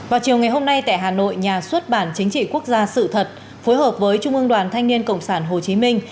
vào chiều ngày hôm nay tại hà nội nhà xuất bản chính trị quốc gia sự thật phối hợp với trung ương đoàn thanh niên cộng sản hồ chí minh